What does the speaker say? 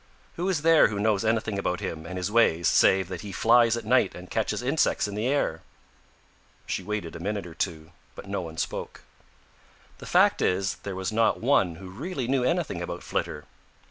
"Who is there who knows anything about him and his ways save that he flies at night and catches insects in the air?" She waited a minute or two, but no one spoke. The fact is there was not one who really knew anything about Flitter.